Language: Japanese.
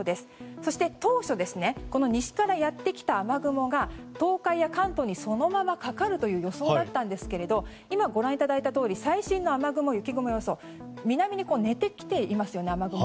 そして当初この西からやってきた雨雲が東海や関東に、そのままかかるという予想だったんですが今、ご覧いただいたとおり最新の雨雲、雪雲予想では雨雲が南に寝てきていますよね。